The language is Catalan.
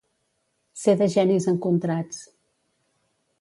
Ser de genis encontrats.